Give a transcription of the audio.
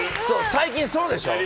最近、そうでしょ？